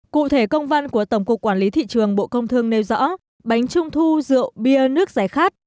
cụ thể công văn của tổng cục quản lý thị trường bộ công thương nêu rõ bánh trung thu rượu bia nước giải khát